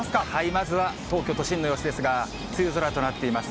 まずは東京都心の様子ですが、梅雨空となっています。